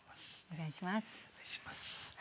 お願いします。